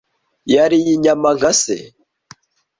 Yariye inyama nka se.